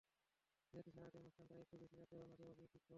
যেহেতু সারা রাতের অনুষ্ঠান, তাই একটু বেশি রাতে রওনা দেব ঠিক করলাম।